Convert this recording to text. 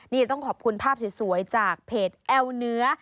นี่ต้องขอบคุณภาพสวยจากเพจแอลเนื้อ